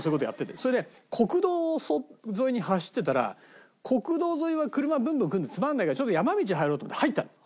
それで国道沿いに走ってたら国道沿いは車ブンブン来るんでつまらないからちょっと山道に入ろうと思って入ったの。